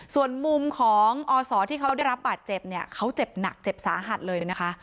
ส่วนมุมของอศที่เขาได้รับบาดเจ็บเนี่ยเขาเจ็บหนักเจ็บสาหัสเลยนะคะ